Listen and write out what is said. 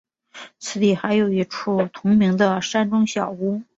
此地还有一处同名的山中小屋。